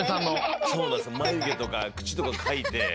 まゆげとかくちとかかいて。